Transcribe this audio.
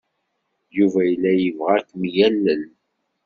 Yuba yella yebɣa ad kem-yalel.